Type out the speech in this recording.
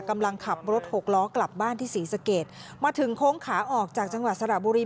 กำลังขับรถหกล้อกลับบ้านที่ศรีสะเกดมาถึงโค้งขาออกจากจังหวัดสระบุรี